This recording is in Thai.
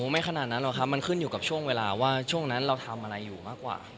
ไม่ขนาดนั้นหรอกครับมันขึ้นอยู่กับช่วงเวลาว่าช่วงนั้นเราทำอะไรอยู่มากกว่า